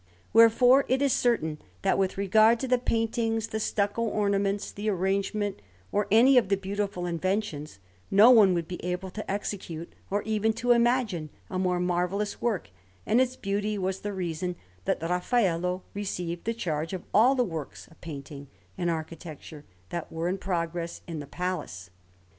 Wherefore it is certain that with regard to the paintings, the stucco ornaments, the arrangement, or any of the beautiful inventions, no one would be able to execute or even to imagine a more marvellous work; and its beauty was the reason that Raffaello received the charge of all the works of painting and architecture that were in progress in the Palace.